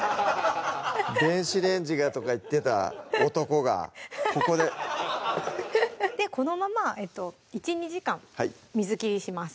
電子レンジがとか言ってた男がここでこのまま１２時間水切りします